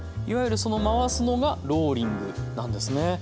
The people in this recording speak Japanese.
いわゆるその回すのがローリングなんですね。